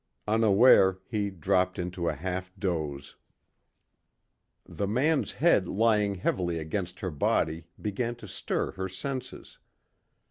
Unaware, he dropped into a half doze. The man's head lying heavily against her body began to stir her senses.